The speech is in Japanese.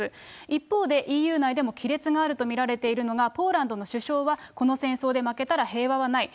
一方で、ＥＵ内でも亀裂があると見られているのが、ポーランドの首相は、この戦争で負けたら平和はない。